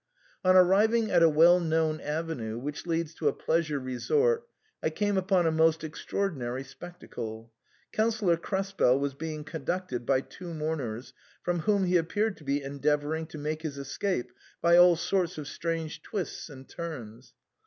On arriving at a well known avenue, which leads to a pleasure resort, I came upon a most extraordinary spectacle. Councillor Krespel was being conducted by two mourners, from whom he appeared to be endeav ouring to make his escape by all sorts of strange twists and turns.